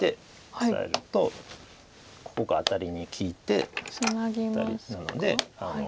オサえるとここがアタリに利いてぴったりなので。